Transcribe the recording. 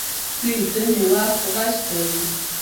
سپي ځینې وخت غږ کوي.